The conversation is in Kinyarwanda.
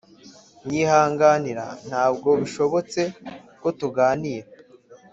nyihanganira ntabwo bishobotse ko tuganira